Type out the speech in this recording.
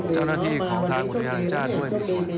เจ้าหน้าที่ของทางบุญญาณอาจารย์ด้วยด้วย